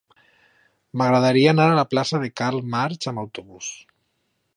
M'agradaria anar a la plaça de Karl Marx amb autobús.